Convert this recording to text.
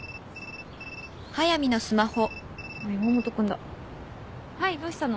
あっ山本君だ。はいどうしたの？